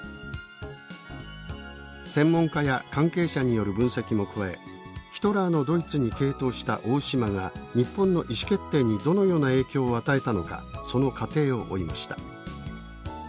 専門家や関係者による分析も加えヒトラーのドイツに傾倒した大島が日本の意思決定にどのような影響を与えたのかその過程を追いました。